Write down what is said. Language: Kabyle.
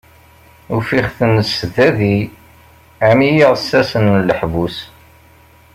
Ufiɣ-ten sdat-i am yiɛessasen n leḥbus.